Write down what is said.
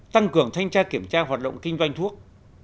tăng cường thanh tra kiểm tra hoạt động kinh doanh thuốc